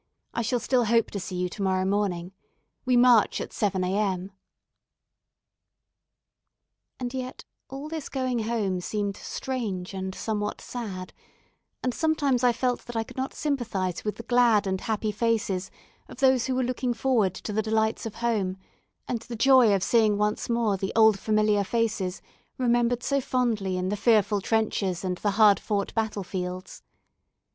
I shall still hope to see you to morrow morning. We march at seven a.m." And yet all this going home seemed strange and somewhat sad, and sometimes I felt that I could not sympathise with the glad faces and happy hearts of those who were looking forward to the delights of home, and the joy of seeing once more the old familiar faces remembered so fondly in the fearful trenches and the hard fought battle fields.